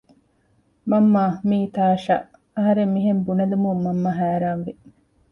މަންމާ މީ ތާޝާ އަހަރެން މިހެން ބުނެލުމުން މަންމަ ހައިރާންވި